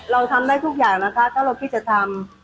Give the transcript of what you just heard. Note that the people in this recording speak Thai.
เราทำได้ทุกอย่างนะคะเพราะที่เราทำ